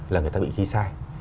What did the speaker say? là người ta bị ghi sai